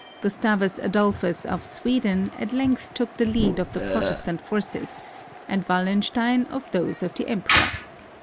Gustavus Adolphus of Sweden at length took the lead of the Protestant forces, and Wallenstein of those of the Emperor.